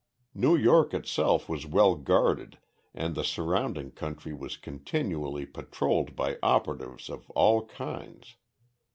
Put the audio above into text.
New York itself was well guarded and the surrounding country was continually patrolled by operatives of all kinds.